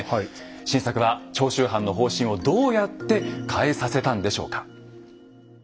晋作は長州藩の方針をどうやって変えさせたんでしょうか？